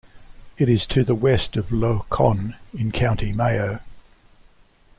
It is to the west of Lough Conn in County Mayo.